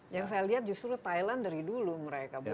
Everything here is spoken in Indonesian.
yang saya lihat justru thailand dari dulu mereka